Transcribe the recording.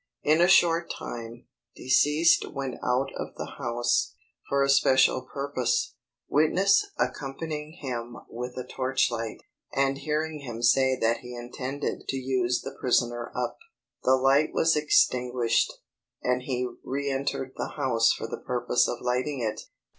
In a short time, deceased went out of the house, for a special purpose, witness accompanying him with a torchlight, and hearing him say that he intended "to use the prisoner up." The light was extinguished, and he reëntered the house for the purpose of lighting it.